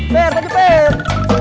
per per per